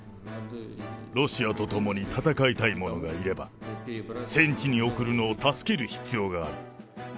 ロシアと共に戦いたい者がいれば、戦地に送るのを助ける必要がある。